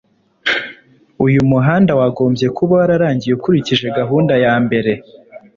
uyu muhanda wagombye kuba wararangiye ukurikije gahunda yambere